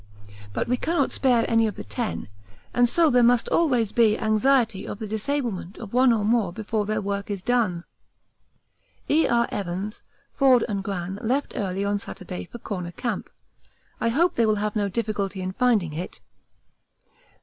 But we cannot spare any of the ten, and so there must always be anxiety of the disablement of one or more before their work is done. E. R. Evans, Forde, and Gran left early on Saturday for Corner Camp. I hope they will have no difficulty in finding it.